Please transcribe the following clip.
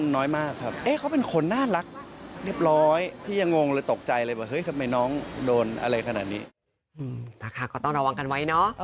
นะคะก็ต้องระวังกันไว้เนอะ